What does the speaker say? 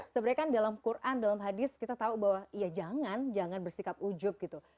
sebenarnya kan dalam quran dalam hadis kita tahu bahwa ya jangan jangan bersikap ujuk gitu